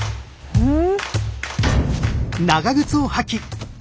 うん！